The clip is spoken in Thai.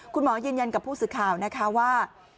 คุณหมอยืนยันกับผู้สื่อข่าวนะคะว่า